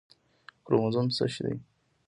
کروموزوم څه شی دی